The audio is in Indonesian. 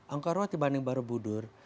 angkor wat dibanding borobudur